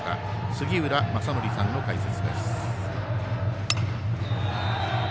杉浦正則さんの解説です。